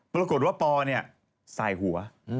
ปรากฏว่าปอใส่หัว